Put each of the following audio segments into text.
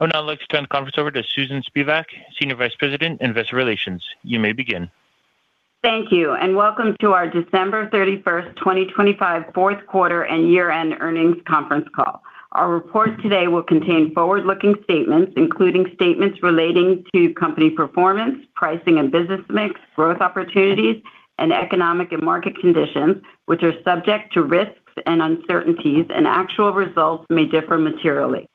Oh, now let's turn the conference over to Susan Spivak, Senior Vice President, Investor Relations. You may begin. Thank you, and welcome to our December 31st, 2025 Fourth Quarter and Year-End Earnings Conference Call. Our report today will contain forward-looking statements, including statements relating to company performance, pricing and business mix, growth opportunities, and economic and market conditions, which are subject to risks and uncertainties, and actual results may differ materially.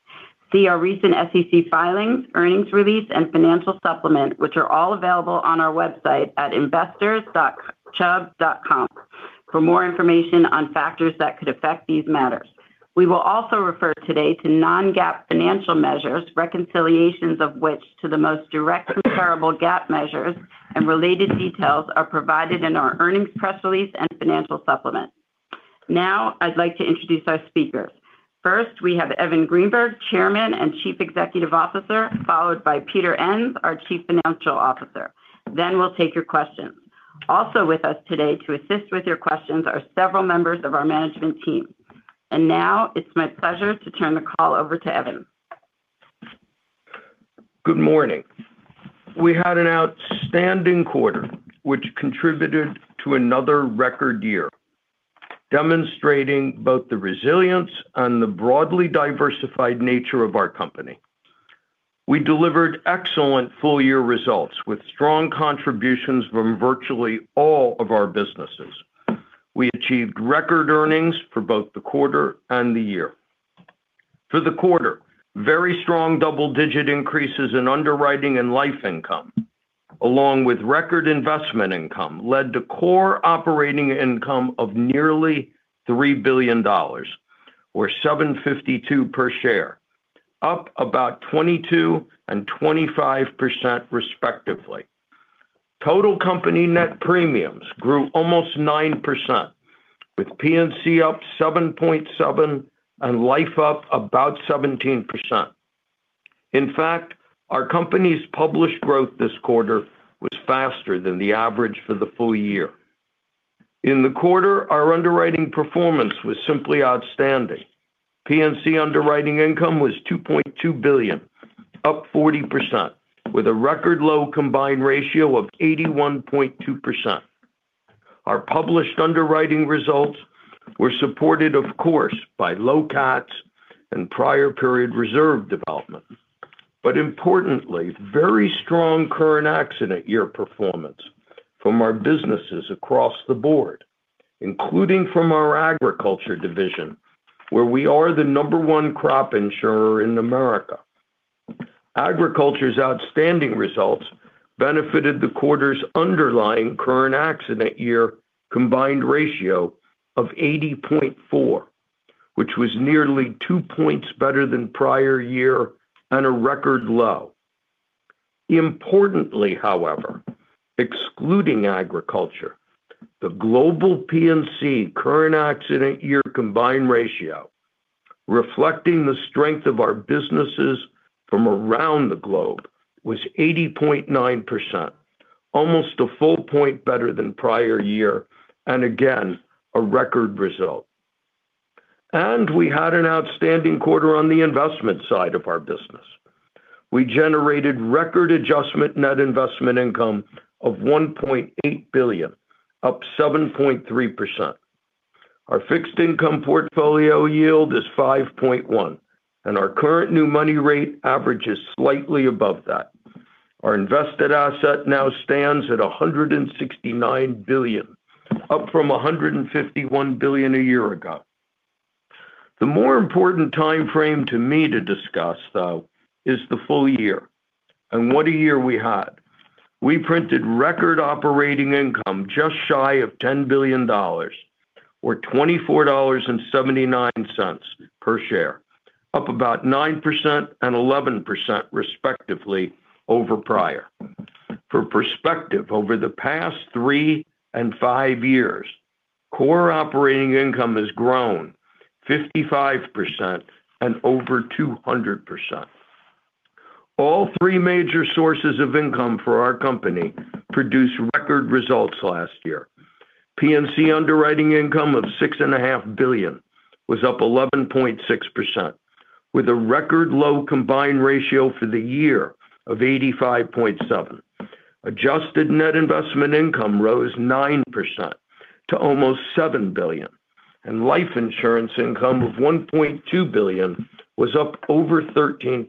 See our recent SEC filings, earnings release, and financial supplement, which are all available on our website at investors.chubb.com for more information on factors that could affect these matters. We will also refer today to non-GAAP financial measures, reconciliations of which to the most direct comparable GAAP measures, and related details are provided in our earnings press release and financial supplement. Now I'd like to introduce our speakers. First, we have Evan Greenberg, Chairman and Chief Executive Officer, followed by Peter Enns, our Chief Financial Officer. Then we'll take your questions. Also with us today to assist with your questions are several members of our management team. Now it's my pleasure to turn the call over to Evan. Good morning. We had an outstanding quarter, which contributed to another record year, demonstrating both the resilience and the broadly diversified nature of our company. We delivered excellent full-year results with strong contributions from virtually all of our businesses. We achieved record earnings for both the quarter and the year. For the quarter, very strong double-digit increases in underwriting and Life income, along with record investment income, led to core operating income of nearly $3 billion, or $752 per share, up about 22% and 25% respectively. Total company net premiums grew almost 9%, with P&C up 7.7% and life up about 17%. In fact, our company's premium growth this quarter was faster than the average for the full year. In the quarter, our underwriting performance was simply outstanding. P&C underwriting income was $2.2 billion, up 40%, with a record low combined ratio of 81.2%. Our published underwriting results were supported, of course, by low Cats and prior period reserve development, but importantly, very strong current accident year performance from our businesses across the board, including from our Agriculture division, where we are the number one crop insurer in America. Agriculture's outstanding results benefited the quarter's underlying current accident year combined ratio of 80.4%, which was nearly two points better than prior year and a record low. Importantly, however, excluding agriculture, the global P&C current accident year combined ratio, reflecting the strength of our businesses from around the globe, was 80.9%, almost a full point better than prior year and again a record result. We had an outstanding quarter on the investment side of our business. We generated record adjusted net investment income of $1.8 billion, up 7.3%. Our fixed income portfolio yield is 5.1%, and our current new money rate averages slightly above that. Our invested asset now stands at $169 billion, up from $151 billion a year ago. The more important time frame to me to discuss, though, is the full year and what a year we had. We printed record operating income just shy of $10 billion, or $24.79 per share, up about 9% and 11% respectively over prior. For perspective, over the past three and five years, core operating income has grown 55% and over 200%. All three major sources of income for our company produced record results last year. P&C underwriting income of $6.5 billion was up 11.6%, with a record low combined ratio for the year of 85.7%. Adjusted net investment income rose 9% to almost $7 billion, and life insurance income of $1.2 billion was up over 13%.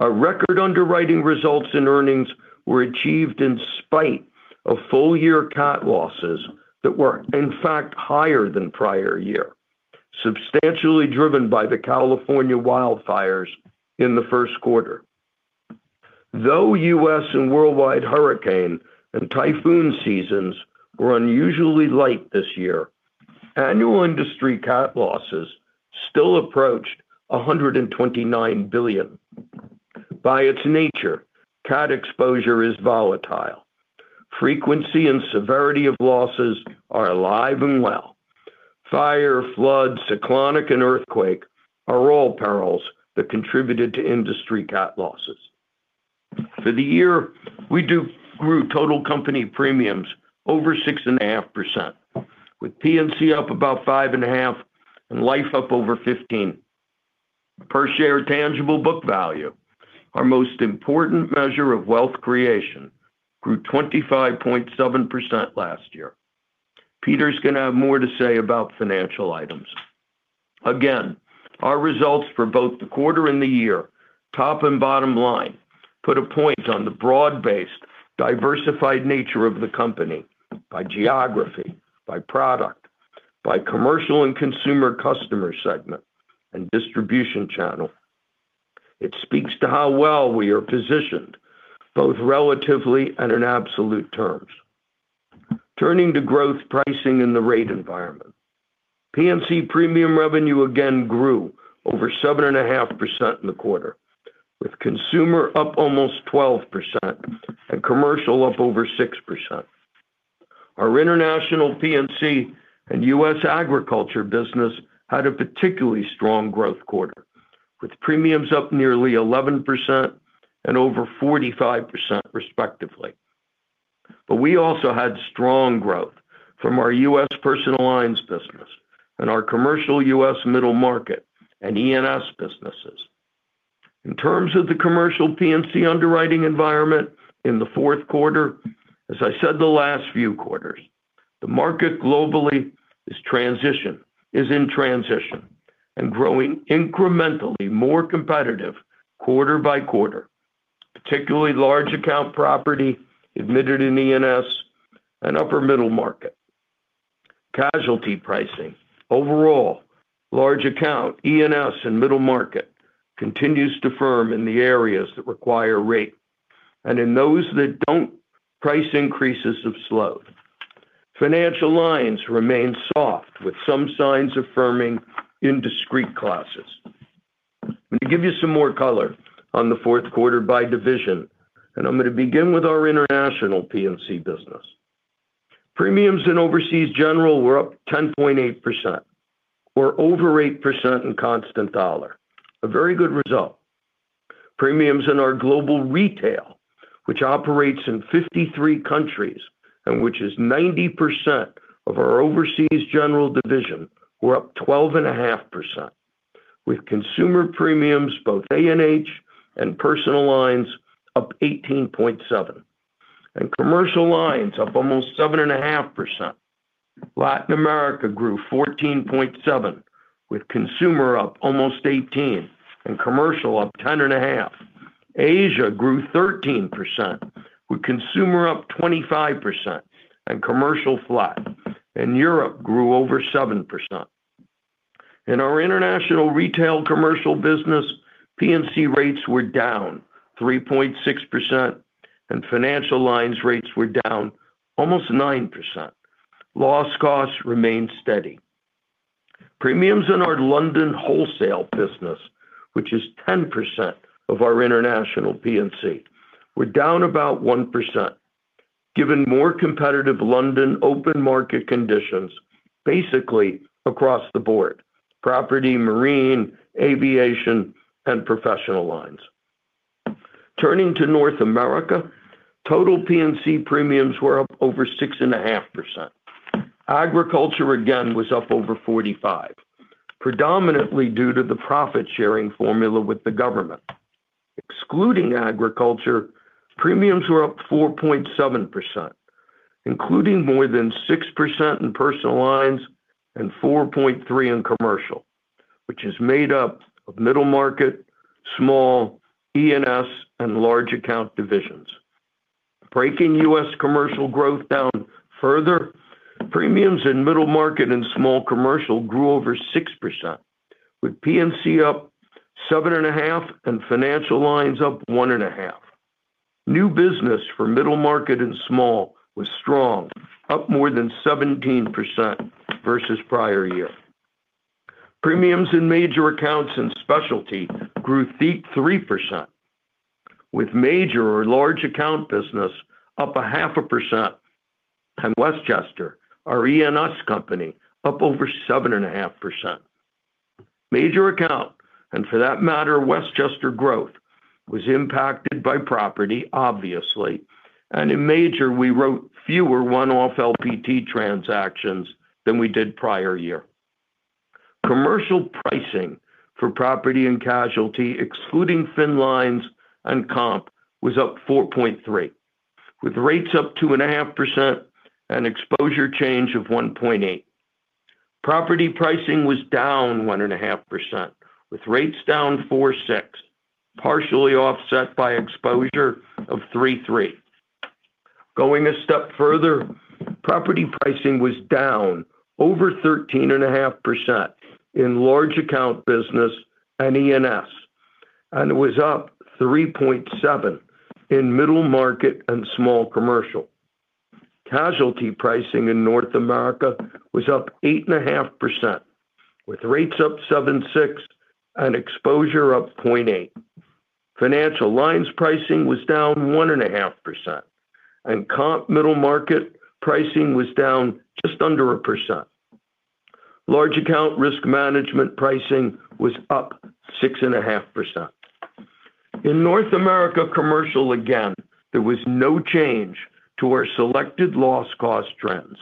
Our record underwriting results in earnings were achieved in spite of full-year CAT losses that were, in fact, higher than prior year, substantially driven by the California wildfires in the first quarter. Though U.S. and worldwide hurricane and typhoon seasons were unusually light this year, annual industry CAT losses still approached $129 billion. By its nature, CAT exposure is volatile. Frequency and severity of losses are alive and well. Fire, flood, cyclonic, and earthquake are all perils that contributed to industry CAT losses. For the year, we grew total company premiums over 6.5%, with P&C up about 5.5% and Life up over 15%. Per share tangible book value, our most important measure of wealth creation, grew 25.7% last year. Peter's going to have more to say about financial items. Again, our results for both the quarter and the year, top and bottom line, put a point on the broad-based, diversified nature of the company by geography, by product, by commercial and consumer customer segment, and distribution channel. It speaks to how well we are positioned, both relatively and in absolute terms. Turning to growth pricing and the rate environment, P&C premium revenue again grew over 7.5% in the quarter, with consumer up almost 12% and commercial up over 6%. Our international P&C and U.S. Agriculture business had a particularly strong growth quarter, with premiums up nearly 11% and over 45% respectively. But we also had strong growth from our U.S. personal lines business and our commercial U.S. middle market and E&S businesses. In terms of the commercial P&C underwriting environment in the fourth quarter, as I said the last few quarters, the market globally is in transition and growing incrementally more competitive quarter by quarter, particularly large account property admitted in E&S and upper middle market. Casualty pricing, overall, large account, E&S, and middle market continues to firm in the areas that require rate and in those that don't, price increases have slowed. Financial lines remain soft, with some signs of firming in discrete classes. I'm going to give you some more color on the fourth quarter by division, and I'm going to begin with our international P&C business. Premiums in Overseas General were up 10.8% or over 8% in constant dollar, a very good result. Premiums in our Global Retail, which operates in 53 countries and which is 90% of our Overseas General division, were up 12.5%, with consumer premiums, both A&H and personal lines, up 18.7% and commercial lines up almost 7.5%. Latin America grew 14.7%, with consumer up almost 18% and commercial up 10.5%. Asia grew 13%, with consumer up 25% and commercial flat, and Europe grew over 7%. In our international retail commercial business, P&C rates were down 3.6% and financial lines rates were down almost 9%. Loss costs remained steady. Premiums in our London wholesale business, which is 10% of our international P&C, were down about 1%, given more competitive London open market conditions, basically across the board: property, marine, aviation, and professional lines. Turning to North America, total P&C premiums were up over 6.5%. Agriculture again was up over 45%, predominantly due to the profit sharing formula with the government. Excluding agriculture, premiums were up 4.7%, including more than 6% in personal lines and 4.3% in commercial, which is made up of middle market, small, E&S, and large account divisions. Breaking U.S. commercial growth down further, premiums in Middle Market and Small Commercial grew over 6%, with P&C up 7.5% and financial lines up 1.5%. New business for middle market and small was strong, up more than 17% versus prior year. Premiums in major accounts and specialty grew 3%, with major or large account business up 0.5% and Westchester, our E&S company, up over 7.5%. Major account, and for that matter, Westchester growth was impacted by property, obviously, and in major, we wrote fewer one-off LPT transactions than we did prior year. Commercial pricing for property and casualty, excluding fin lines and comp, was up 4.3%, with rates up 2.5% and exposure change of 1.8%. Property pricing was down 1.5%, with rates down 4.6%, partially offset by exposure of 3.3%. Going a step further, property pricing was down over 13.5% in large account business and E&S, and it was up 3.7% in Middle Market and Small Commercial. Casualty pricing in North America was up 8.5%, with rates up 7.6% and exposure up 0.8%. Financial lines pricing was down 1.5%, and comp middle market pricing was down just under a percent. Large account risk management pricing was up 6.5%. In North America commercial again, there was no change to our selected loss cost trends.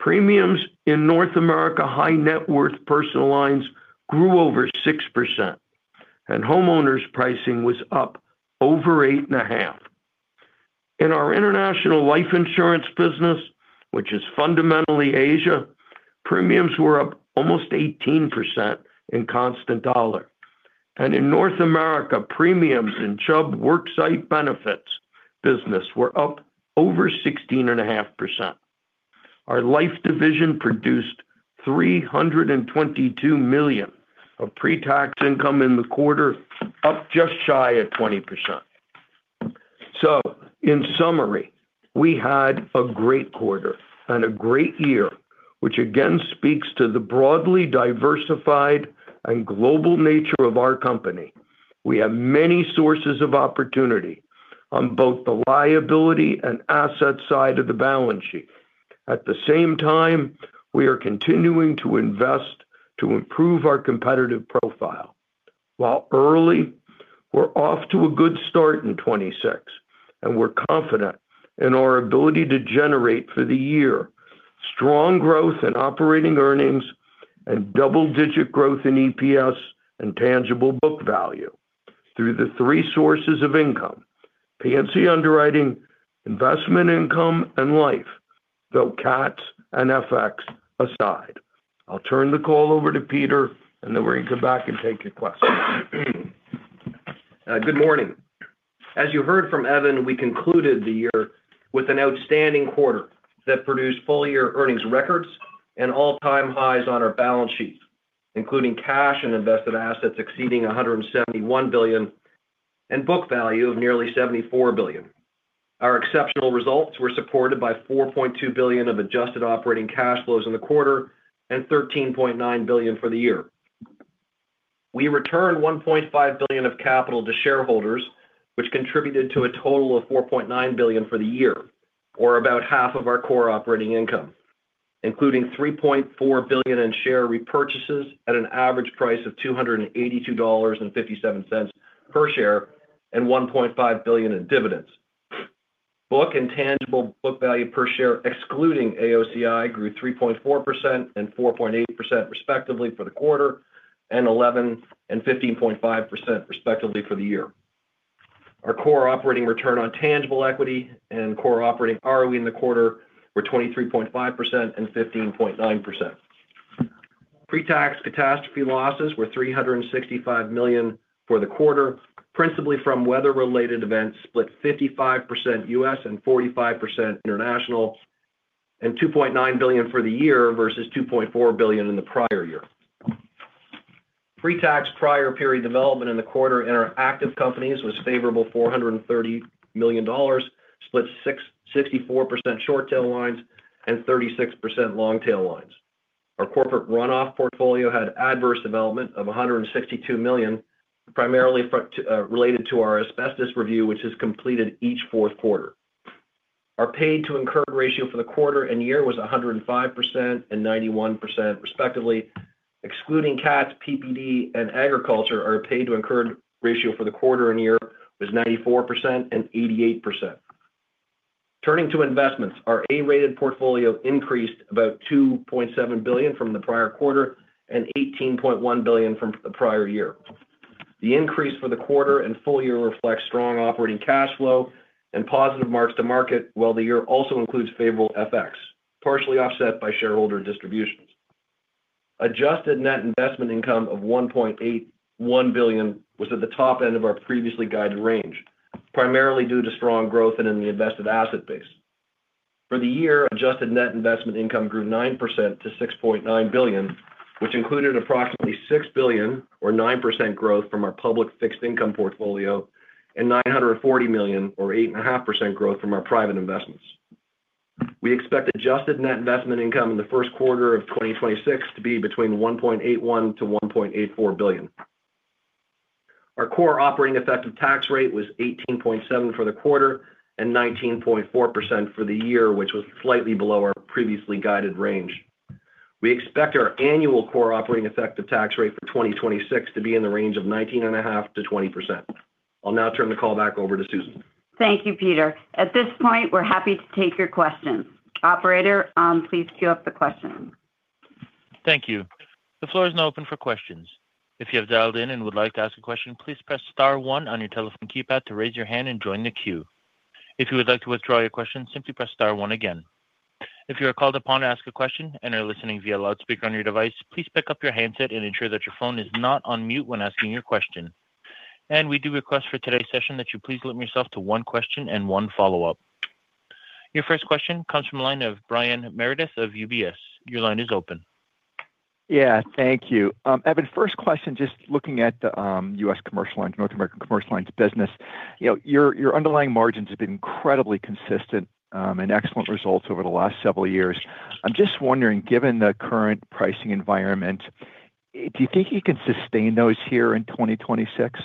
Premiums in North America high net worth personal lines grew over 6%, and homeowners pricing was up over 8.5%. In our international life insurance business, which is fundamentally Asia, premiums were up almost 18% in constant dollar, and in North America, premiums in Chubb Worksite Benefits business were up over 16.5%. Our life division produced $322 million of pre-tax income in the quarter, up just shy of 20%. So in summary, we had a great quarter and a great year, which again speaks to the broadly diversified and global nature of our company. We have many sources of opportunity on both the liability and asset side of the balance sheet. At the same time, we are continuing to invest to improve our competitive profile. While early, we're off to a good start in 2026, and we're confident in our ability to generate for the year strong growth in operating earnings and double-digit growth in EPS and tangible book value through the three sources of income: P&C underwriting, investment income, and life, though CATS and FX aside. I'll turn the call over to Peter, and then we can come back and take your questions. Good morning. As you heard from Evan, we concluded the year with an outstanding quarter that produced full-year earnings records and all-time highs on our balance sheet, including cash and invested assets exceeding $171 billion and book value of nearly $74 billion. Our exceptional results were supported by $4.2 billion of adjusted operating cash flows in the quarter and $13.9 billion for the year. We returned $1.5 billion of capital to shareholders, which contributed to a total of $4.9 billion for the year, or about half of our core operating income, including $3.4 billion in share repurchases at an average price of $282.57 per share and $1.5 billion in dividends. Book and tangible book value per share, excluding AOCI, grew 3.4% and 4.8% respectively for the quarter and 11% and 15.5% respectively for the year. Our core operating return on tangible equity and core operating ROE in the quarter were 23.5% and 15.9%. Pre-tax catastrophe losses were $365 million for the quarter, principally from weather-related events split 55% U.S. and 45% international, and $2.9 billion for the year versus $2.4 billion in the prior year. Pre-tax prior period development in the quarter in our active companies was favorable $430 million, split 64% short tail lines and 36% long tail lines. Our corporate runoff portfolio had adverse development of $162 million, primarily related to our asbestos review, which is completed each fourth quarter. Our paid-to-incurred ratio for the quarter and year was 105% and 91% respectively. Excluding CATS, PPD, and agriculture, our paid-to-incurred ratio for the quarter and year was 94% and 88%. Turning to investments, our A-rated portfolio increased about $2.7 billion from the prior quarter and $18.1 billion from the prior year. The increase for the quarter and full year reflects strong operating cash flow and positive marks to market, while the year also includes favorable FX, partially offset by shareholder distributions. Adjusted net investment income of $1.81 billion was at the top end of our previously guided range, primarily due to strong growth and in the invested asset base. For the year, adjusted net investment income grew 9% to $6.9 billion, which included approximately $6 billion or 9% growth from our public fixed income portfolio and $940 million or 8.5% growth from our private investments. We expect adjusted net investment income in the first quarter of 2026 to be between $1.81-$1.84 billion. Our core operating effective tax rate was 18.7% for the quarter and 19.4% for the year, which was slightly below our previously guided range. We expect our annual core operating effective tax rate for 2026 to be in the range of 19.5%-20%. I'll now turn the call back over to Susan. Thank you, Peter. At this point, we're happy to take your questions. Operator, please cue up the questions. Thank you. The floor is now open for questions. If you have dialed in and would like to ask a question, please press star one on your telephone keypad to raise your hand and join the queue. If you would like to withdraw your question, simply press star one again. If you are called upon to ask a question and are listening via loudspeaker on your device, please pick up your handset and ensure that your phone is not on mute when asking your question. We do request for today's session that you please limit yourself to one question and one follow-up. Your first question comes from a line of Brian Meredith of UBS. Your line is open. Yeah, thank you. Evan, first question, just looking at the U.S. commercial lines, North American commercial lines business, your underlying margins have been incredibly consistent and excellent results over the last several years. I'm just wondering, given the current pricing environment, do you think you can sustain those here in 2026?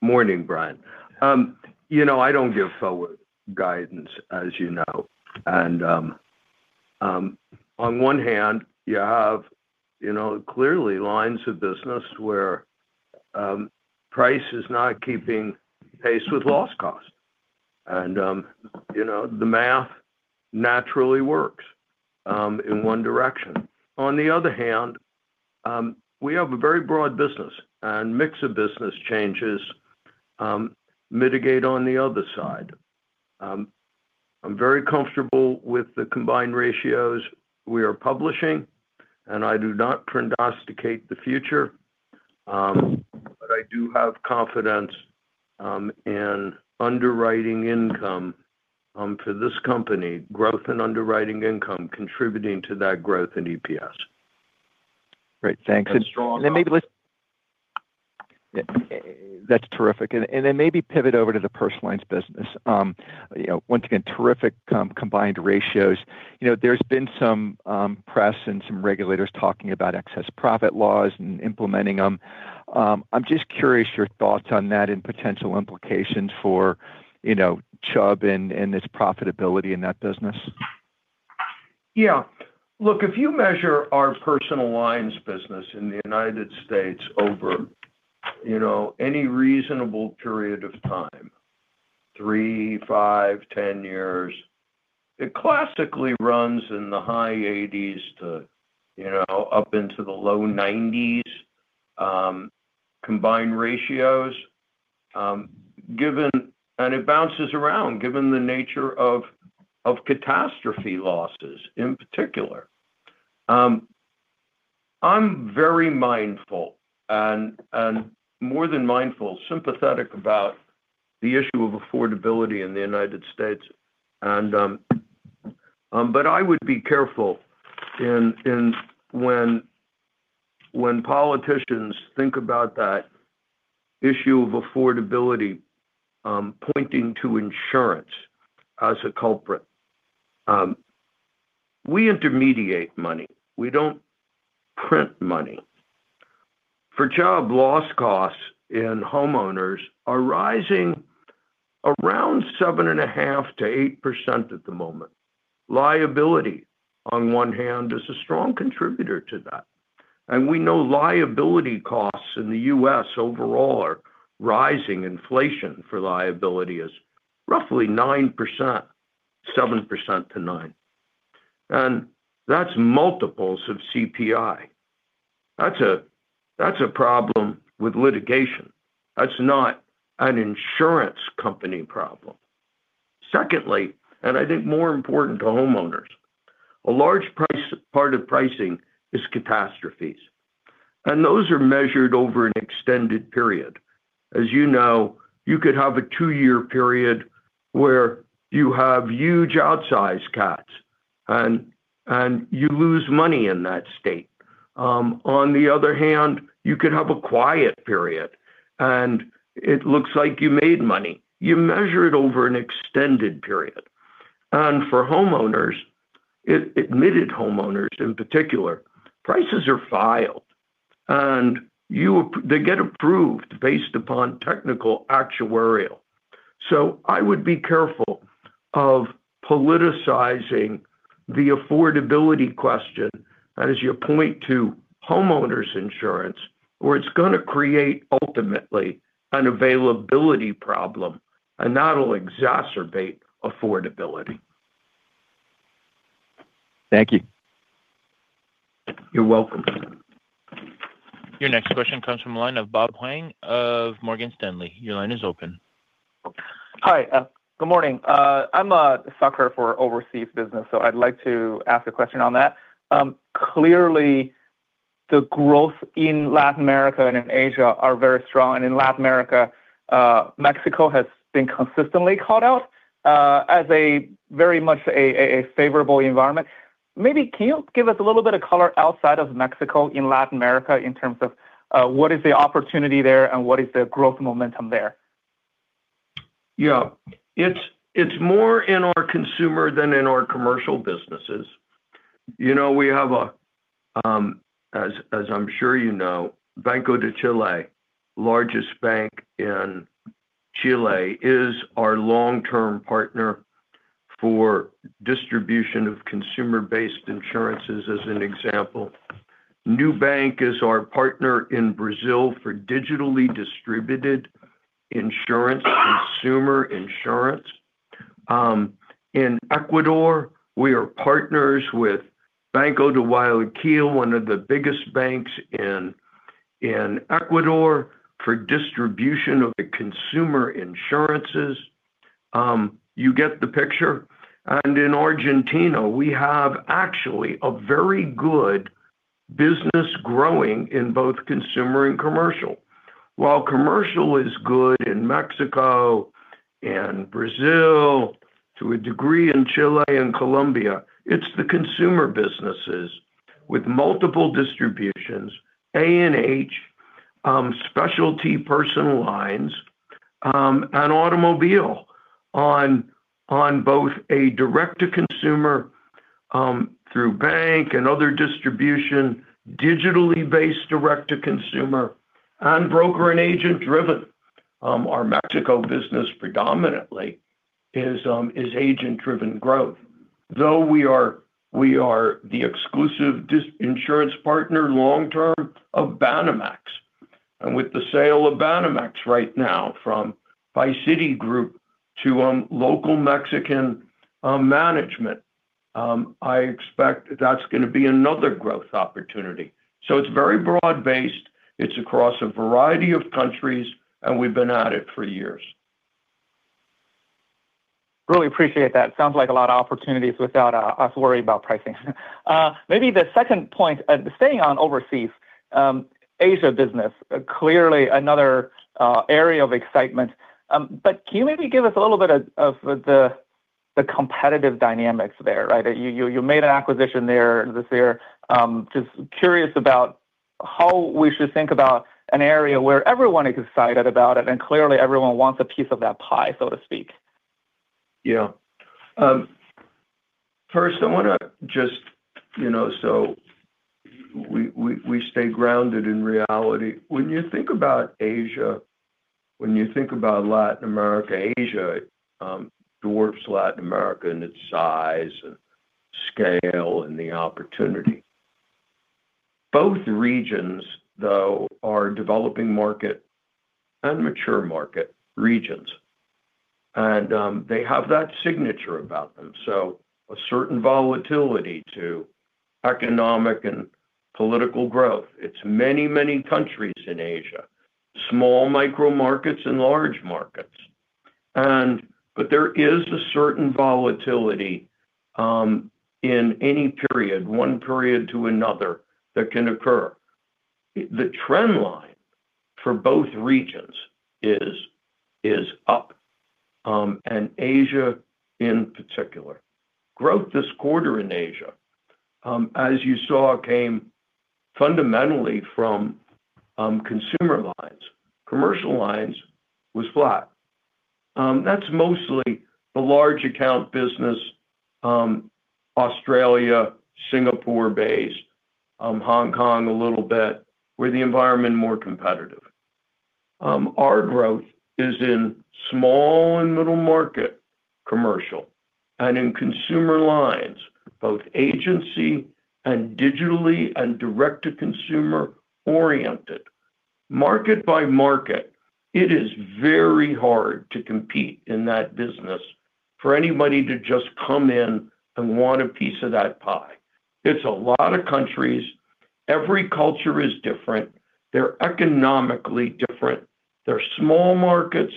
Morning, Brian. I don't give forward guidance, as you know. On one hand, you have clearly lines of business where price is not keeping pace with loss costs. The math naturally works in one direction. On the other hand, we have a very broad business, and mix of business changes mitigate on the other side. I'm very comfortable with the combined ratios we are publishing, and I do not prognosticate the future. But I do have confidence in underwriting income for this company, growth in underwriting income contributing to that growth in EPS. Great. Thanks. And then maybe that's terrific. And then maybe pivot over to the personal lines business. Once again, terrific combined ratios. There's been some press and some regulators talking about excess profit laws and implementing them. I'm just curious your thoughts on that and potential implications for Chubb and its profitability in that business. Yeah. Look, if you measure our personal lines business in the United States over any reasonable period of time, 3, 5, 10 years, it classically runs in the high 80s-low 90s combined ratios, and it bounces around given the nature of catastrophe losses in particular. I'm very mindful and more than mindful, sympathetic about the issue of affordability in the United States. But I would be careful when politicians think about that issue of affordability pointing to insurance as a culprit. We intermediate money. We don't print money. For Chubb, loss costs in homeowners are rising around 7.5%-8% at the moment. Liability, on one hand, is a strong contributor to that. And we know liability costs in the U.S. overall are rising. Inflation for liability is roughly 9%, 7%-9%. And that's multiples of CPI. That's a problem with litigation. That's not an insurance company problem. Secondly, and I think more important to homeowners, a large part of pricing is catastrophes. And those are measured over an extended period. As you know, you could have a two-year period where you have huge outsized CATS, and you lose money in that state. On the other hand, you could have a quiet period, and it looks like you made money. You measure it over an extended period. For homeowners, admitted homeowners in particular, prices are filed, and they get approved based upon technical actuarial. So I would be careful of politicizing the affordability question and, as you point to, homeowners insurance, where it's going to create, ultimately, an availability problem and not only exacerbate affordability. Thank you. You're welcome. Your next question comes from a line of Bob Huang of Morgan Stanley. Your line is open. Hi. Good morning. I'm a sucker for overseas business, so I'd like to ask a question on that. Clearly, the growth in Latin America and in Asia are very strong. And in Latin America, Mexico has been consistently called out as very much a favorable environment. Maybe can you give us a little bit of color outside of Mexico in Latin America in terms of what is the opportunity there and what is the growth momentum there? Yeah. It's more in our consumer than in our commercial businesses. We have a, as I'm sure you know, Banco de Chile, largest bank in Chile, is our long-term partner for distribution of consumer-based insurances, as an example. Nubank is our partner in Brazil for digitally distributed insurance, consumer insurance. In Ecuador, we are partners with Banco de Guayaquil, one of the biggest banks in Ecuador, for distribution of the consumer insurances. You get the picture? And in Argentina, we have actually a very good business growing in both consumer and commercial. While commercial is good in Mexico and Brazil to a degree in Chile and Colombia, it's the consumer businesses with multiple distributions, A&H, specialty personal lines, and automobile on both a direct-to-consumer through bank and other distribution, digitally-based direct-to-consumer, and broker and agent-driven. Our Mexico business predominantly is agent-driven growth, though we are the exclusive insurance partner long-term of Banamex. And with the sale of Banamex right now from Citigroup to local Mexican management, I expect that's going to be another growth opportunity. So it's very broad-based. It's across a variety of countries, and we've been at it for years. Really appreciate that. Sounds like a lot of opportunities without us worrying about pricing. Maybe the second point, staying on overseas, Asia business, clearly another area of excitement. But can you maybe give us a little bit of the competitive dynamics there, right? You made an acquisition there this year. Just curious about how we should think about an area where everyone is excited about it, and clearly, everyone wants a piece of that pie, so to speak. Yeah. First, I want to, just so we stay grounded in reality. When you think about Asia, when you think about Latin America, Asia dwarfs Latin America in its size and scale and the opportunity. Both regions, though, are developing market and mature market regions, and they have that signature about them, so a certain volatility to economic and political growth. It's many, many countries in Asia, small micro markets and large markets. But there is a certain volatility in any period, one period to another, that can occur. The trend line for both regions is up, and Asia in particular. Growth this quarter in Asia, as you saw, came fundamentally from consumer lines. Commercial lines was flat. That's mostly the large account business, Australia-Singapore base, Hong Kong a little bit, where the environment is more competitive. Our growth is in small and middle market commercial and in consumer lines, both agency and digitally and direct-to-consumer oriented. Market by market, it is very hard to compete in that business for anybody to just come in and want a piece of that pie. It's a lot of countries. Every culture is different. They're economically different. They're small markets,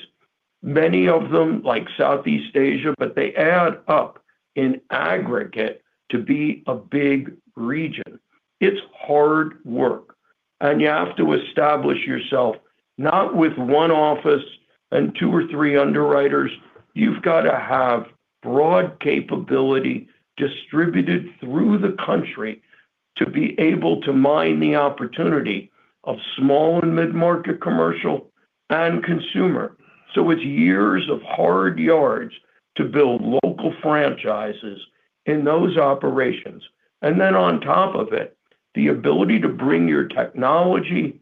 many of them like Southeast Asia, but they add up in aggregate to be a big region. It's hard work. And you have to establish yourself not with one office and two or three underwriters. You've got to have broad capability distributed through the country to be able to mine the opportunity of small and mid-market commercial and consumer. So it's years of hard yards to build local franchises in those operations. And then on top of it, the ability to bring your technology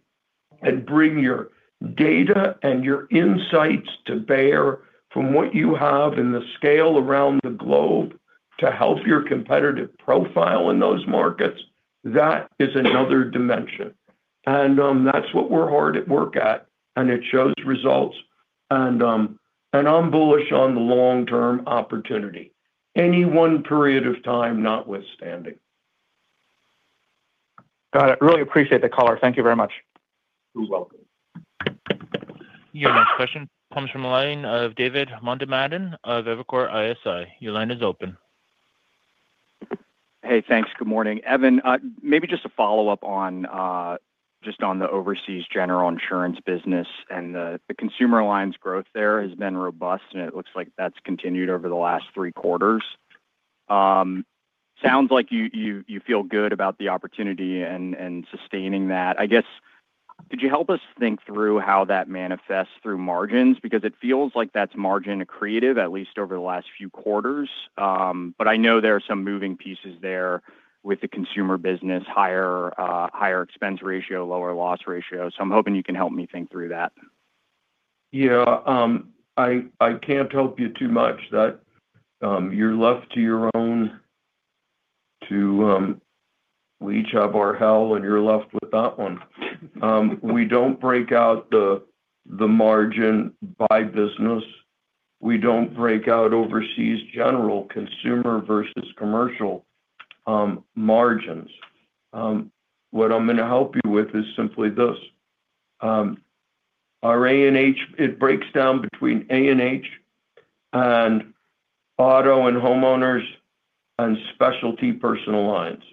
and bring your data and your insights to bear from what you have in the scale around the globe to help your competitive profile in those markets, that is another dimension. And that's what we're hard at work at, and it shows results. And I'm bullish on the long-term opportunity, any one period of time, notwithstanding. Got it. Really appreciate the caller. Thank you very much. You're welcome. Your next question comes from a line of David Motemaden of Evercore ISI. Your line is open. Hey, thanks. Good morning. Evan, maybe just a follow-up just on the Overseas General insurance business. And the consumer lines growth there has been robust, and it looks like that's continued over the last three quarters. Sounds like you feel good about the opportunity and sustaining that. I guess, could you help us think through how that manifests through margins? Because it feels like that's margin accretive, at least over the last few quarters. But I know there are some moving pieces there with the consumer business, higher expense ratio, lower loss ratio. So I'm hoping you can help me think through that. Yeah. I can't help you too much. You're left on your own to tease out of our results, and you're left with that one. We don't break out the margin by business. We don't break out Overseas General consumer versus commercial margins. What I'm going to help you with is simply this. Our Overseas General, it breaks down between A&H and auto and homeowners and specialty personal lines.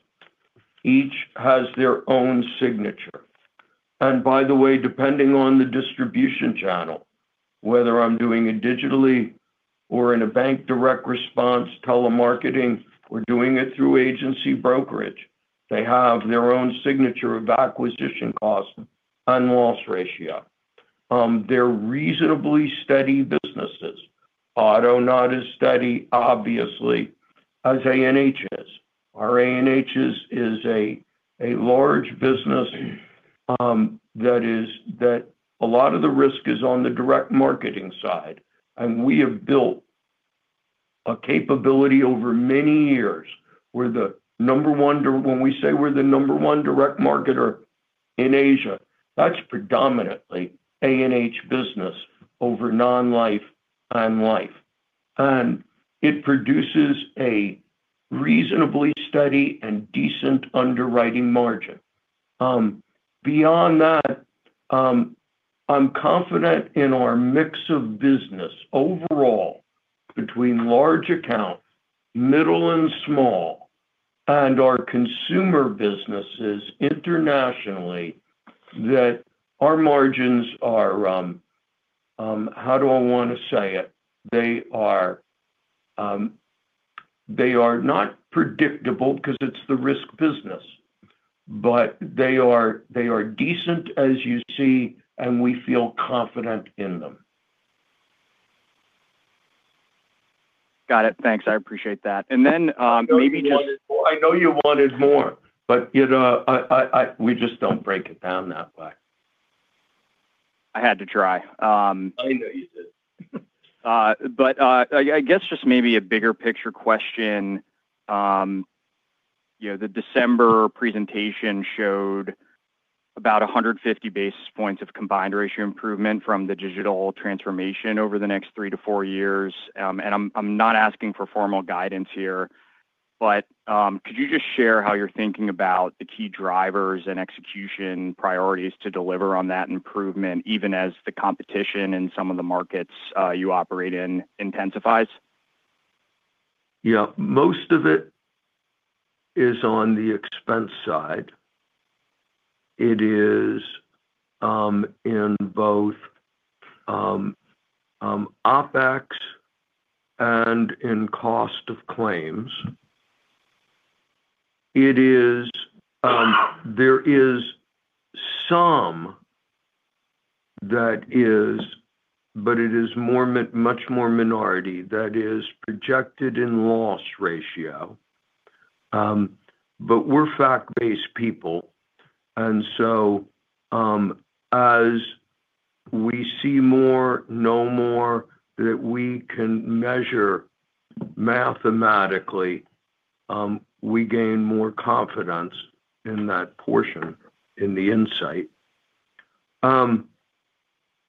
Each has their own signature. And by the way, depending on the distribution channel, whether I'm doing it digitally or in a bank direct response, telemarketing, or doing it through agency brokerage, they have their own signature of acquisition costs and loss ratio. They're reasonably steady businesses. Auto not as steady, obviously, as A&H is. Our A&H is a large business that a lot of the risk is on the direct marketing side. And we have built a capability over many years where the number one when we say we're the number one direct marketer in Asia, that's predominantly A&H business over non-life and life. And it produces a reasonably steady and decent underwriting margin. Beyond that, I'm confident in our mix of business overall between large account, middle, and small, and our consumer businesses internationally that our margins are how do I want to say it? They are not predictable because it's the risk business, but they are decent, as you see, and we feel confident in them. Got it. Thanks. I appreciate that. And then maybe just I know you wanted more, but we just don't break it down that way. I had to try. I know you did. But I guess just maybe a bigger picture question. The December presentation showed about 150 basis points of combined ratio improvement from the digital transformation over the next 3-4 years. And I'm not asking for formal guidance here, but could you just share how you're thinking about the key drivers and execution priorities to deliver on that improvement, even as the competition in some of the markets you operate in intensifies? Yeah. Most of it is on the expense side. It is in both OpEx and in cost of claims. There is some that is, but it is much more minority that is projected in loss ratio. But we're fact-based people. And so as we see more, know more, that we can measure mathematically, we gain more confidence in that portion, in the insight.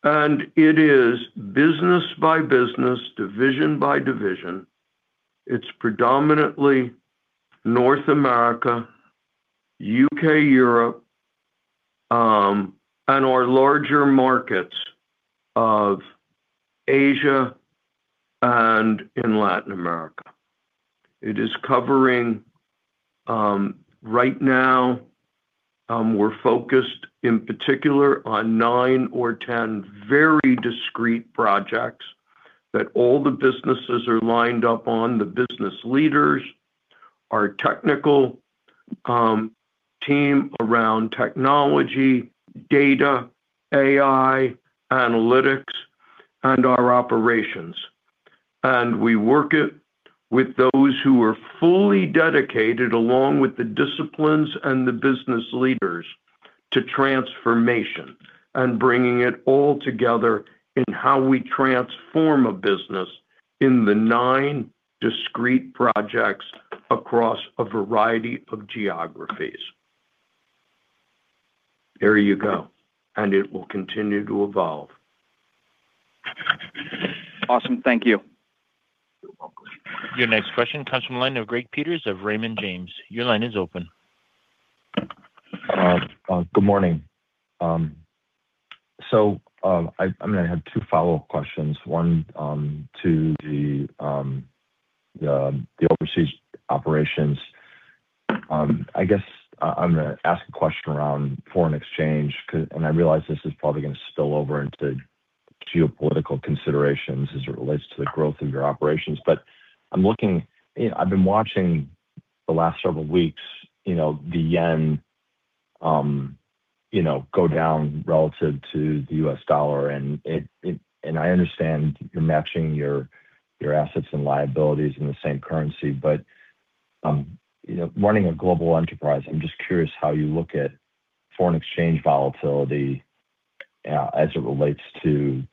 And it is business by business, division by division. It's predominantly North America, UK, Europe, and our larger markets of Asia and in Latin America. Right now, we're focused in particular on 9 or 10 very discrete projects that all the businesses are lined up on, the business leaders, our technical team around technology, data, AI, analytics, and our operations. And we work with those who are fully dedicated, along with the disciplines and the business leaders, to transformation and bringing it all together in how we transform a business in the 9 discrete projects across a variety of geographies. There you go. And it will continue to evolve. Awesome. Thank you. You're welcome. Your next question comes from a line of Greg Peters of Raymond James. Your line is open. Good morning. I'm going to have two follow-up questions, one to the overseas operations. I guess I'm going to ask a question around foreign exchange, and I realize this is probably going to spill over into geopolitical considerations as it relates to the growth of your operations. I've been watching the last several weeks the yen go down relative to the U.S. dollar. I understand you're matching your assets and liabilities in the same currency. Running a global enterprise, I'm just curious how you look at foreign exchange volatility as it relates to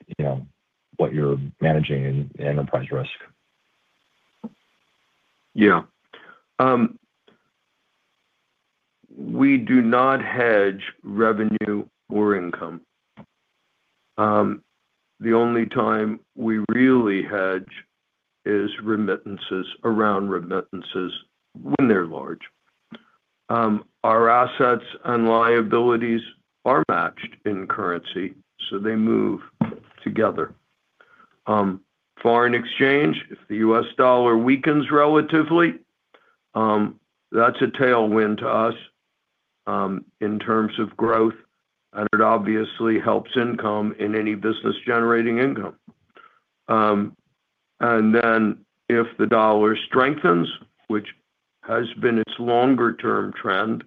what you're managing in enterprise risk. Yeah. We do not hedge revenue or income. The only time we really hedge is remittances, around remittances, when they're large. Our assets and liabilities are matched in currency, so they move together. Foreign exchange, if the U.S. dollar weakens relatively, that's a tailwind to us in terms of growth. It obviously helps income in any business generating income. Then if the dollar strengthens, which has been its longer-term trend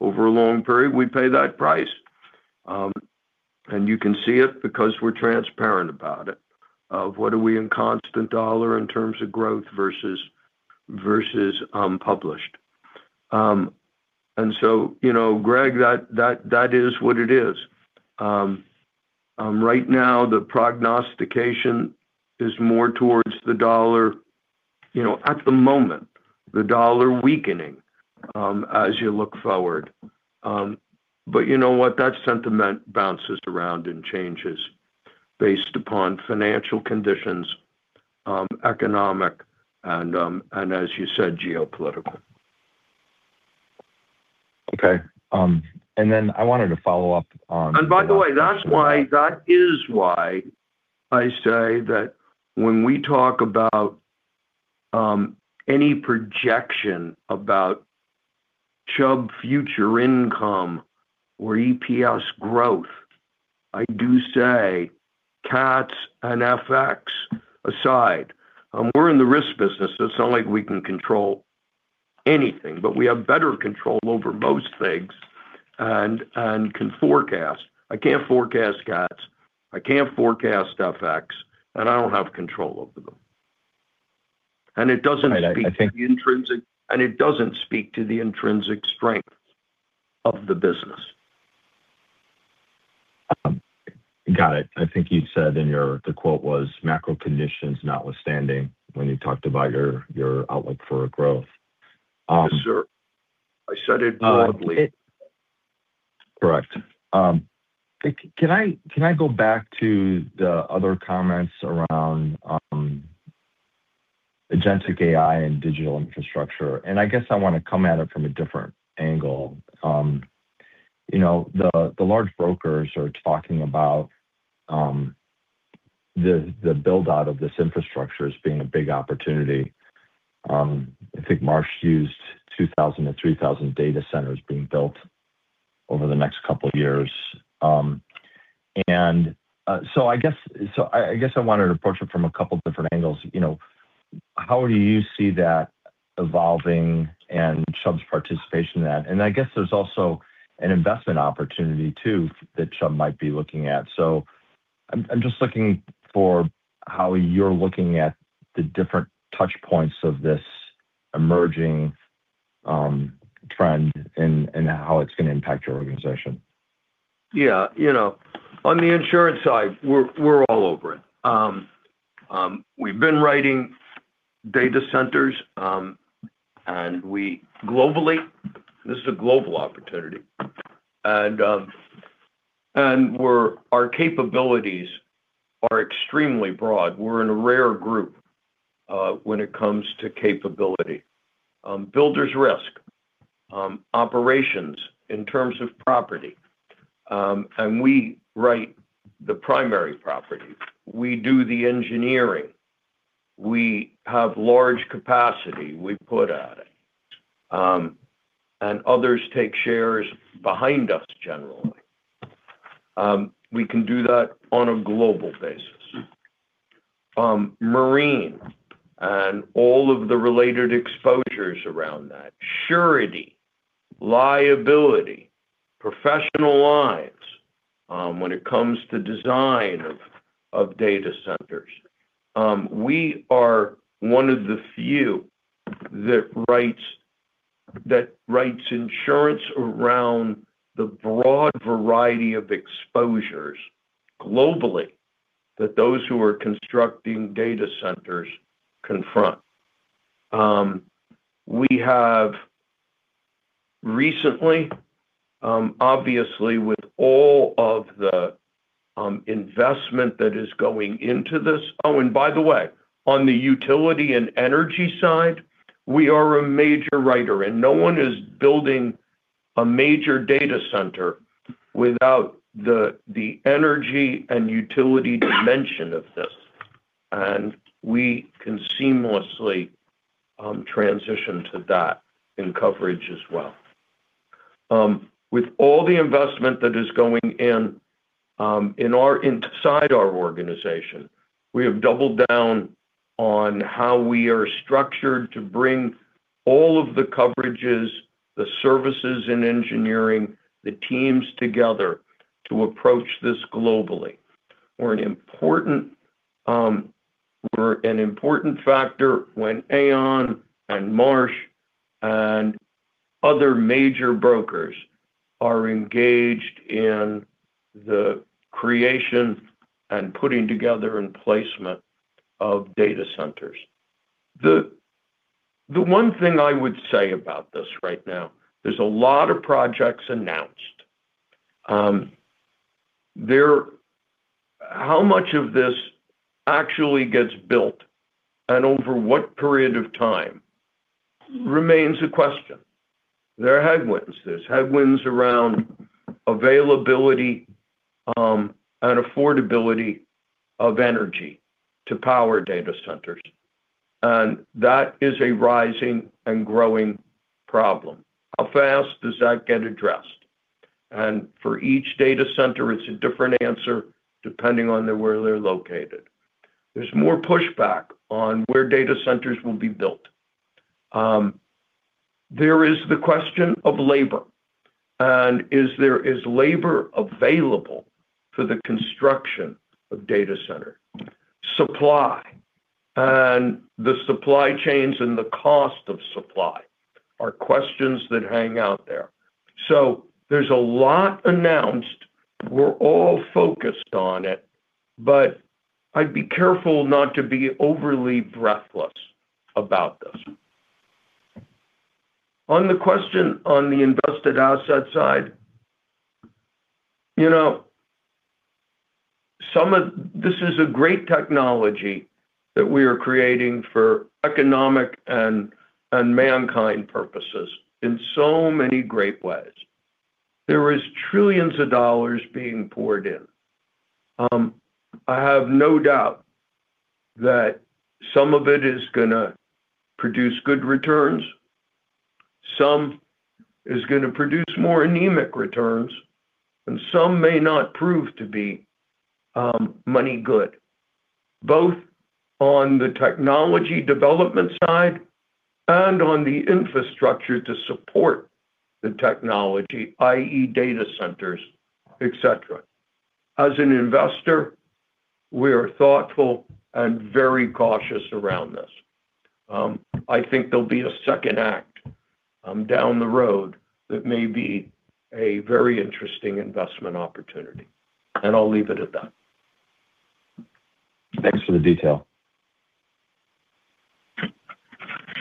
over a long period, we pay that price. You can see it because we're transparent about it of what are we in constant dollar in terms of growth versus published. So, Greg, that is what it is. Right now, the prognostication is more towards the dollar at the moment, the dollar weakening as you look forward. But you know what? That sentiment bounces around and changes based upon financial conditions, economic, and as you said, geopolitical. Okay. And then I wanted to follow up on. And by the way, that's why I say that when we talk about any projection about Chubb future income or EPS growth, I do say CATS and FX aside. We're in the risk business. It's not like we can control anything, but we have better control over most things and can forecast. I can't forecast CATS. I can't forecast FX. And I don't have control over them. And it doesn't speak to the intrinsic strength of the business. Got it. I think you'd said in your the quote was, "Macro conditions notwithstanding," when you talked about your outlook for growth. Yes, sir. I said it broadly. Correct. Can I go back to the other comments around agentic AI and digital infrastructure? I guess I want to come at it from a different angle. The large brokers are talking about the buildout of this infrastructure as being a big opportunity. I think Marsh used 2,000-3,000 data centers being built over the next couple of years. So I guess I wanted to approach it from a couple of different angles. How do you see that evolving and Chubb's participation in that? I guess there's also an investment opportunity, too, that Chubb might be looking at. So I'm just looking for how you're looking at the different touchpoints of this emerging trend and how it's going to impact your organization. Yeah. On the insurance side, we're all over it. We've been writing data centers. And globally, this is a global opportunity. And our capabilities are extremely broad. We're in a rare group when it comes to capability, Builders' Risk, operations in terms of property. We write the primary property. We do the engineering. We have large capacity we put at it. Others take shares behind us generally. We can do that on a global basis. Marine and all of the related exposures around that, surety, liability, professional lines when it comes to design of data centers. We are one of the few that writes insurance around the broad variety of exposures globally that those who are constructing data centers confront. We have recently, obviously, with all of the investment that is going into this. Oh, and by the way, on the utility and energy side, we are a major writer. No one is building a major data center without the energy and utility dimension of this. We can seamlessly transition to that in coverage as well. With all the investment that is going in inside our organization, we have doubled down on how we are structured to bring all of the coverages, the services, and engineering, the teams together to approach this globally. We're an important factor when Aon and Marsh and other major brokers are engaged in the creation and putting together and placement of data centers. The one thing I would say about this right now, there's a lot of projects announced. How much of this actually gets built and over what period of time remains a question. There are headwinds. There's headwinds around availability and affordability of energy to power data centers. And that is a rising and growing problem. How fast does that get addressed? And for each data center, it's a different answer depending on where they're located. There's more pushback on where data centers will be built. There is the question of labor. Is labor available for the construction of data center? Supply and the supply chains and the cost of supply are questions that hang out there. There's a lot announced. We're all focused on it. I'd be careful not to be overly breathless about this. On the question on the invested asset side, this is a great technology that we are creating for economic and mankind purposes in so many great ways. There is $ trillions being poured in. I have no doubt that some of it is going to produce good returns, some is going to produce more anemic returns, and some may not prove to be money good, both on the technology development side and on the infrastructure to support the technology, i.e., data centers, etc. As an investor, we are thoughtful and very cautious around this. I think there'll be a second act down the road that may be a very interesting investment opportunity. I'll leave it at that. Thanks for the detail.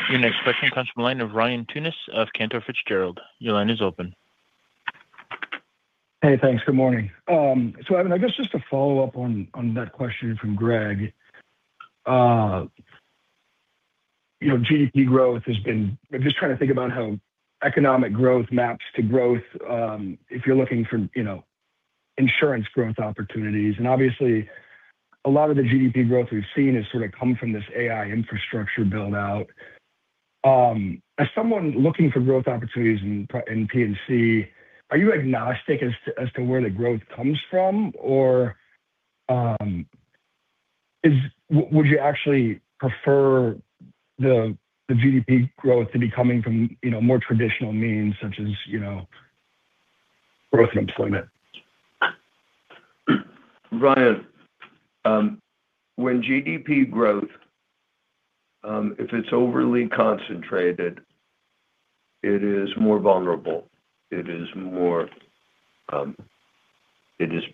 Your next question comes from a line of Ryan Tunis of Cantor Fitzgerald. Your line is open. Hey, thanks. Good morning. So Evan, I guess just to follow up on that question from Greg, GDP growth has been. I'm just trying to think about how economic growth maps to growth if you're looking for insurance growth opportunities. And obviously, a lot of the GDP growth we've seen has sort of come from this AI infrastructure buildout. As someone looking for growth opportunities in P&C, are you agnostic as to where the growth comes from? Or would you actually prefer the GDP growth to be coming from more traditional means such as growth and employment? Ryan, when GDP growth, if it's overly concentrated, it is more vulnerable. It is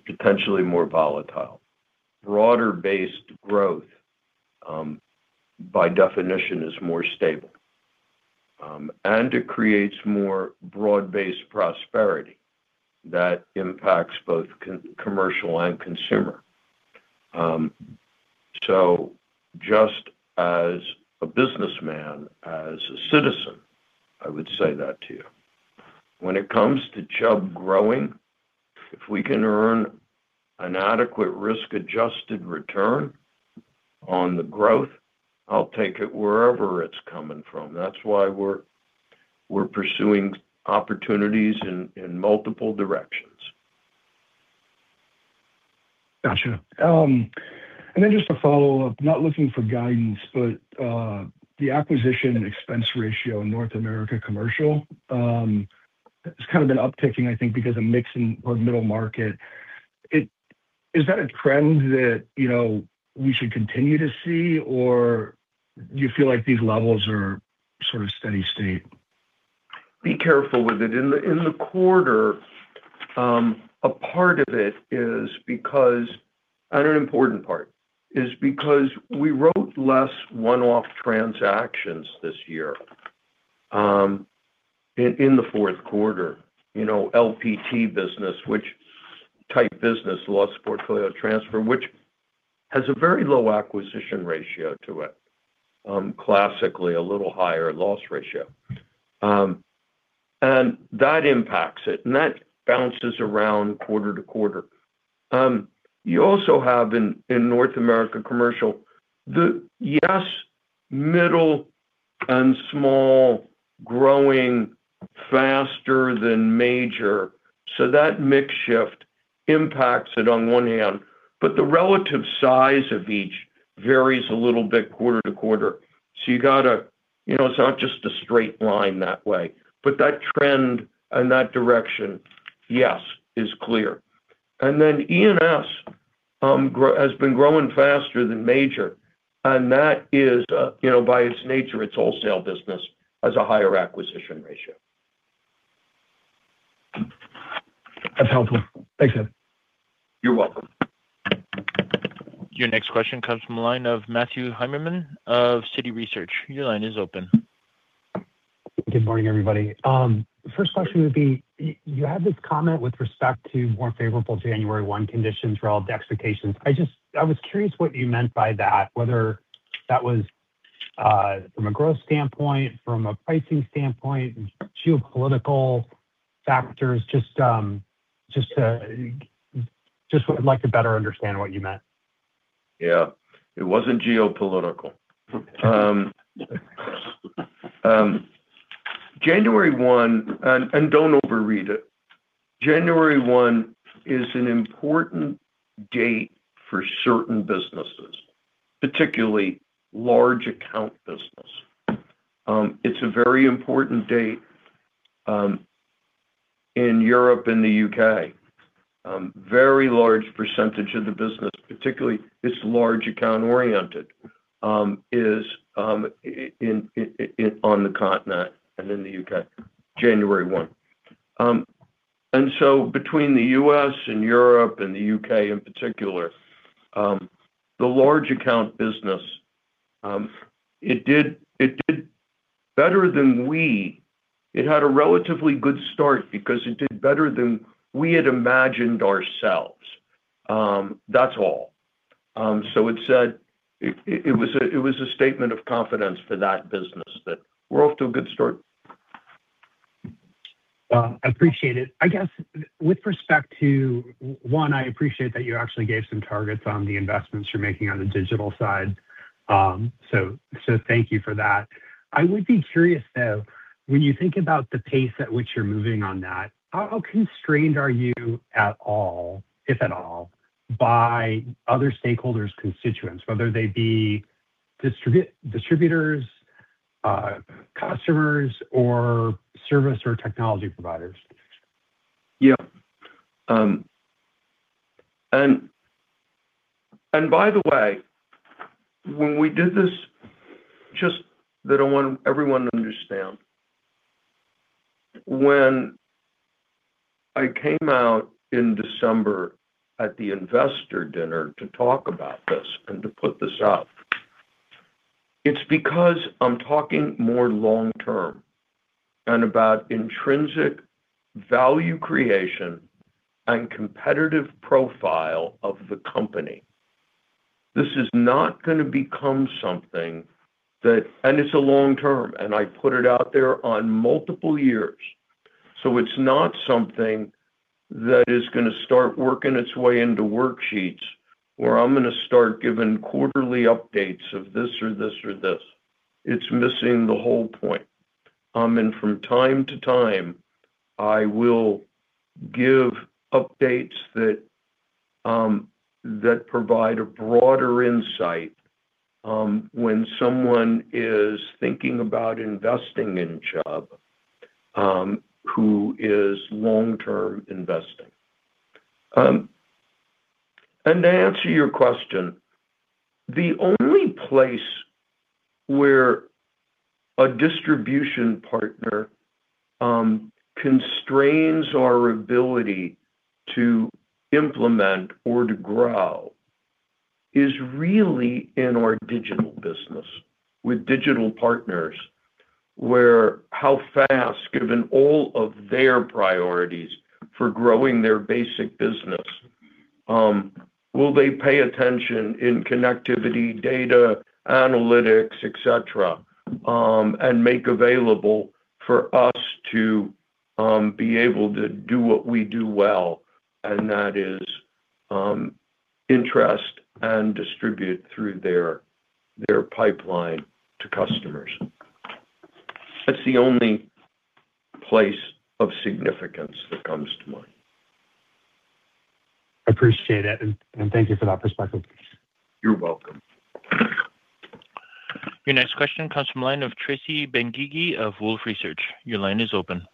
potentially more volatile. Broader-based growth, by definition, is more stable. And it creates more broad-based prosperity that impacts both commercial and consumer. So just as a businessman, as a citizen, I would say that to you. When it comes to Chubb growing, if we can earn an adequate risk-adjusted return on the growth, I'll take it wherever it's coming from. That's why we're pursuing opportunities in multiple directions. Gotcha. And then just to follow up, not looking for guidance, but the acquisition expense ratio in North America commercial has kind of been upticking, I think, because of mixing or middle market. Is that a trend that we should continue to see? Or do you feel like these levels are sort of steady state? Be careful with it. In the quarter, a part of it is because and an important part is because we wrote less one-off transactions this year in the fourth quarter, LPT business, which type business, loss portfolio transfer, which has a very low acquisition ratio to it, classically a little higher loss ratio. And that impacts it. And that bounces around quarter to quarter. You also have in North America commercial, the yes, middle and small growing faster than major. So that mix shift impacts it on one hand. But the relative size of each varies a little bit quarter to quarter. So you got to it's not just a straight line that way. But that trend and that direction, yes, is clear. And then E&S has been growing faster than major. And that is by its nature, its wholesale business has a higher acquisition ratio. That's helpful. Thanks, Evan. You're welcome. Your next question comes from a line of Matthew Heimermann of Citi Research. Your line is open. Good morning, everybody. First question would be, you had this comment with respect to more favorable January 1 conditions for all directions. I was curious what you meant by that, whether that was from a growth standpoint, from a pricing standpoint, geopolitical factors, just what I'd like to better understand what you meant. Yeah. It wasn't geopolitical. January 1 and don't overread it. January 1 is an important date for certain businesses, particularly large account business. It's a very important date in Europe and the UK. Very large percentage of the business, particularly its large account-oriented, is on the continent and in the UK, January 1. And so between the U.S. and Europe and the U.K. in particular, the large account business, it did better than we. It had a relatively good start because it did better than we had imagined ourselves. That's all. So it was a statement of confidence for that business that we're off to a good start. I appreciate it. I guess with respect to one, I appreciate that you actually gave some targets on the investments you're making on the digital side. So thank you for that. I would be curious, though, when you think about the pace at which you're moving on that, how constrained are you at all, if at all, by other stakeholders' constituents, whether they be distributors, customers, or service or technology providers? Yeah. And by the way, when we did this just that I want everyone to understand, when I came out in December at the investor dinner to talk about this and to put this up, it's because I'm talking more long-term and about intrinsic value creation and competitive profile of the company. This is not going to become something that and it's a long term. And I put it out there on multiple years. So it's not something that is going to start working its way into worksheets where I'm going to start giving quarterly updates of this or this or this. It's missing the whole point. And from time to time, I will give updates that provide a broader insight when someone is thinking about investing in Chubb who is long-term investing. And to answer your question, the only place where a distribution partner constrains our ability to implement or to grow is really in our digital business with digital partners where how fast, given all of their priorities for growing their basic business, will they pay attention in connectivity, data, analytics, etc., and make available for us to be able to do what we do well, and that is interest and distribute through their pipeline to customers. That's the only place of significance that comes to mind. I appreciate it. And thank you for that perspective. You're welcome. Your next question comes from a line of Tracy Benguigui of Wolfe Research. Your line is open.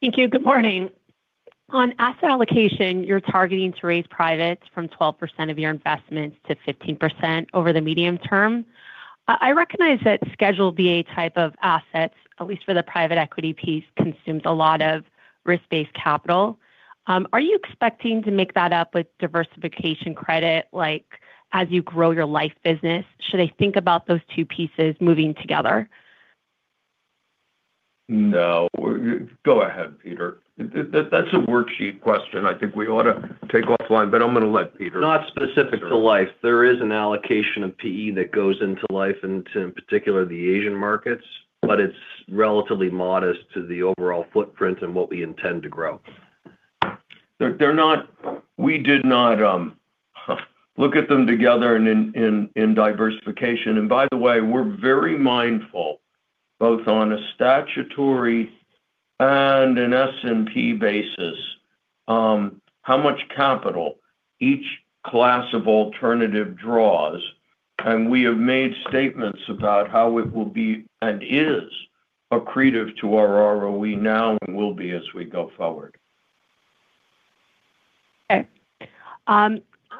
Thank you. Good morning. On asset allocation, you're targeting to raise private from 12%-15% of your investments over the medium term. I recognize that Schedule BA type of assets, at least for the private equity piece, consumes a lot of risk-based capital. Are you expecting to make that up with diversification credit as you grow your life business? Should I think about those two pieces moving together? No. Go ahead, Peter. That's a worksheet question. I think we ought to take offline. But I'm going to let Peter. Not specific to life. There is an allocation of PE that goes into life and to, in particular, the Asian markets. But it's relatively modest to the overall footprint and what we intend to grow. We did not look at them together in diversification. And by the way, we're very mindful, both on a statutory and an S&P basis, how much capital each class of alternative draws. And we have made statements about how it will be and is accretive to our ROE now and will be as we go forward. Okay.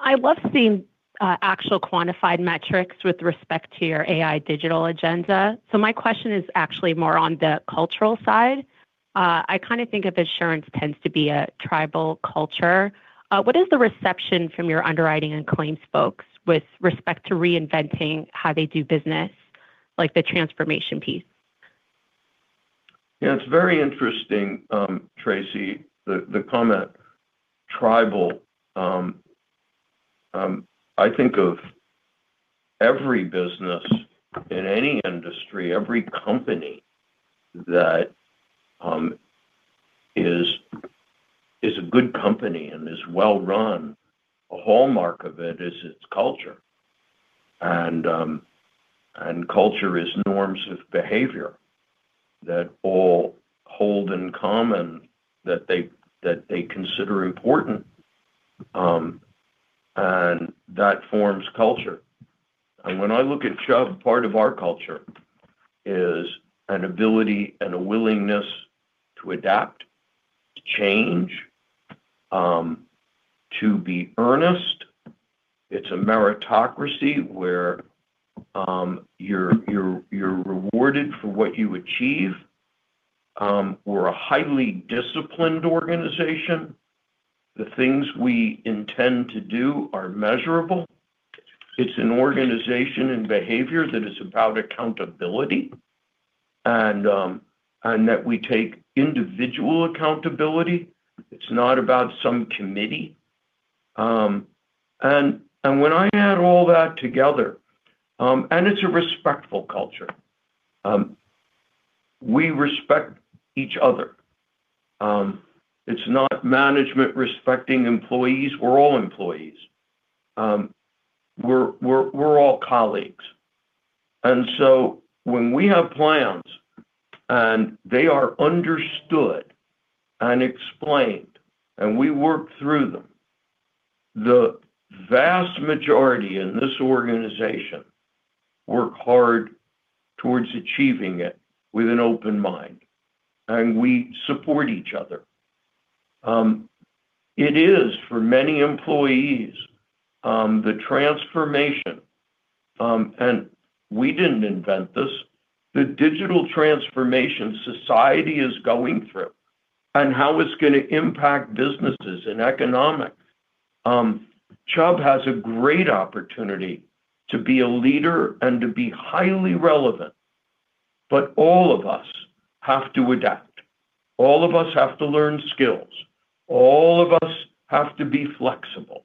I love seeing actual quantified metrics with respect to your AI digital agenda. So my question is actually more on the cultural side. I kind of think of insurance tends to be a tribal culture. What is the reception from your underwriting and claims folks with respect to reinventing how they do business, like the transformation piece? Yeah. It's very interesting, Tracy, the comment tribal. I think of every business in any industry, every company that is a good company and is well-run, a hallmark of it is its culture. And culture is norms of behavior that all hold in common that they consider important. And that forms culture. When I look at Chubb, part of our culture is an ability and a willingness to adapt, to change, to be earnest. It's a meritocracy where you're rewarded for what you achieve. We're a highly disciplined organization. The things we intend to do are measurable. It's an organization and behavior that is about accountability and that we take individual accountability. It's not about some committee. When I add all that together, it's a respectful culture. We respect each other. It's not management respecting employees. We're all employees. We're all colleagues. So when we have plans and they are understood and explained and we work through them, the vast majority in this organization work hard towards achieving it with an open mind. And we support each other. It is for many employees the transformation and we didn't invent this. The digital transformation society is going through and how it's going to impact businesses and economics. Chubb has a great opportunity to be a leader and to be highly relevant. But all of us have to adapt. All of us have to learn skills. All of us have to be flexible.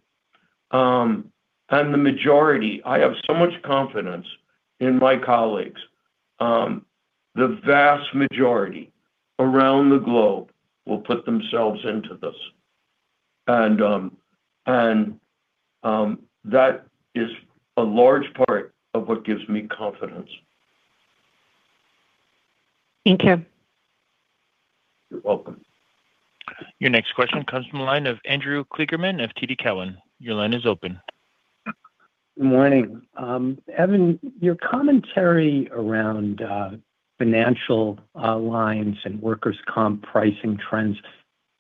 And the majority I have so much confidence in my colleagues, the vast majority around the globe will put themselves into this. And that is a large part of what gives me confidence. Thank you. You're welcome. Your next question comes from a line of Andrew Kligerman of TD Cowen. Your line is open. Good morning. Evan, your commentary around financial lines and workers' comp pricing trends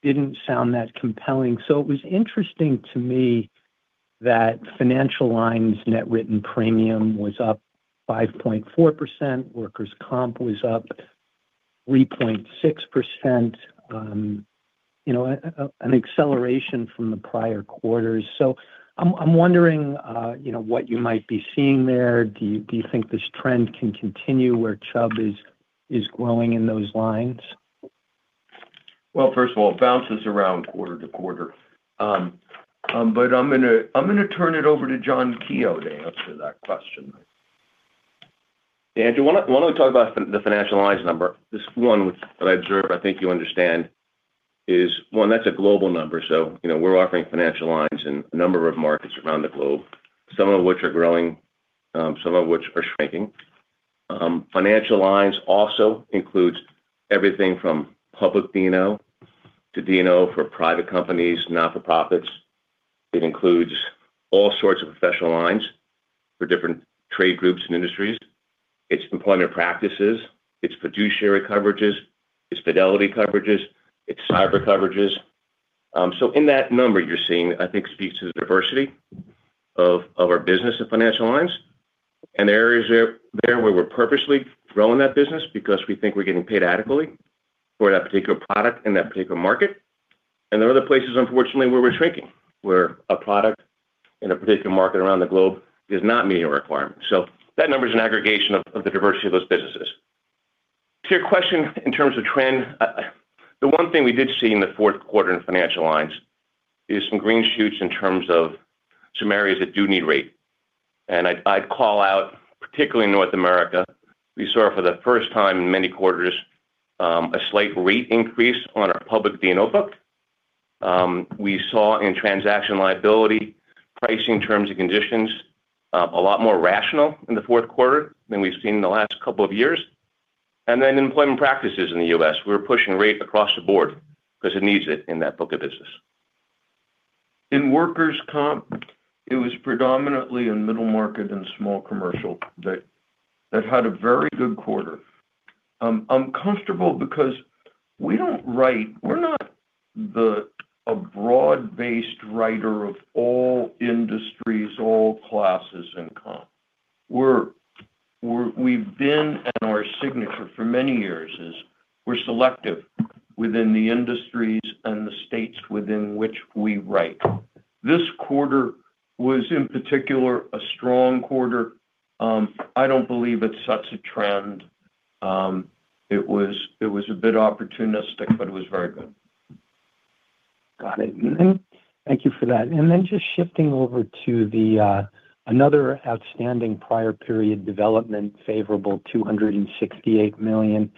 didn't sound that compelling. So it was interesting to me that financial lines net written premium was up 5.4%. Workers' comp was up 3.6%, an acceleration from the prior quarters. So I'm wondering what you might be seeing there. Do you think this trend can continue where Chubb is growing in those lines? Well, first of all, it bounces around quarter to quarter. But I'm going to turn it over to John Keogh to answer that question. Andrew, why don't we talk about the financial lines number? This one that I observe, I think you understand, is one, that's a global number. So we're offering financial lines in a number of markets around the globe, some of which are growing, some of which are shrinking. Financial lines also includes everything from public D&O to D&O for private companies, not-for-profits. It includes all sorts of professional lines for different trade groups and industries. It's employment practices. It's fiduciary coverages. It's fidelity coverages. It's cyber coverages. So in that number, you're seeing, I think, speaks to the diversity of our business and financial lines. And there are areas there where we're purposely growing that business because we think we're getting paid adequately for that particular product in that particular market. And there are other places, unfortunately, where we're shrinking, where a product in a particular market around the globe does not meet your requirements. So that number is an aggregation of the diversity of those businesses. To your question in terms of trend, the one thing we did see in the fourth quarter in financial lines is some green shoots in terms of some areas that do need rate. And I'd call out, particularly in North America, we saw for the first time in many quarters a slight rate increase on our public D&O book. We saw in transaction liability, pricing terms, and conditions a lot more rational in the fourth quarter than we've seen in the last couple of years. Then employment practices in the U.S. We were pushing rate across the board because it needs it in that book of business. In workers' comp, it was predominantly in middle market and small commercial that had a very good quarter. I'm comfortable because we don't, we're not a broad-based writer of all industries, all classes in comp. We've been and our signature for many years is we're selective within the industries and the states within which we write. This quarter was, in particular, a strong quarter. I don't believe it's such a trend. It was a bit opportunistic, but it was very good. Got it. Thank you for that. And then just shifting over to another outstanding prior period development, favorable $268 million.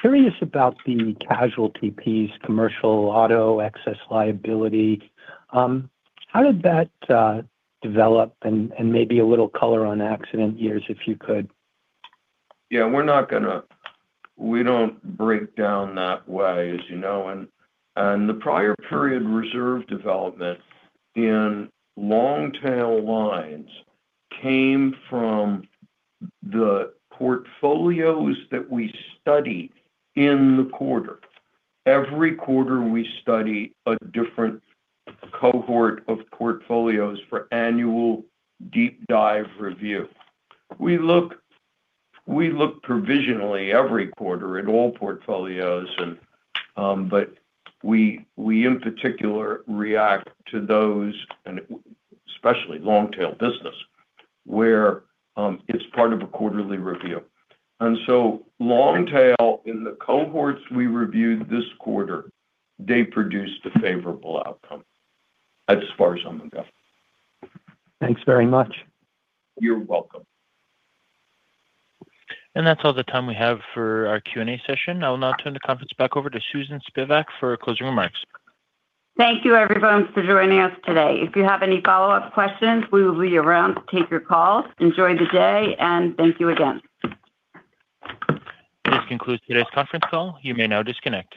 Curious about the casualty piece, commercial auto, excess liability. How did that develop? And maybe a little color on accident years, if you could. Yeah. We don't break down that way, as you know. And the prior period reserve development in long-tail lines came from the portfolios that we study in the quarter. Every quarter, we study a different cohort of portfolios for annual deep dive review. We look provisionally every quarter at all portfolios. But we, in particular, react to those, especially long-tail business, where it's part of a quarterly review. And so long-tail, in the cohorts we reviewed this quarter, they produced a favorable outcome as far as I'm gonna. Thanks very much. You're welcome. And that's all the time we have for our Q&A session. I'll now turn the conference back over to Susan Spivak for closing remarks. Thank you, everyone, for joining us today. If you have any follow-up questions, we will be around to take your calls. Enjoy the day. And thank you again. This concludes today's conference call. You may now disconnect.